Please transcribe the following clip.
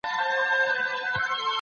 فرد د یوازيتوب احساس کوي.